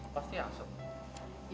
pasti yang asyik